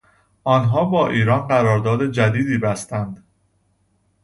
آنها با ایران قرارداد جدیدی بستند.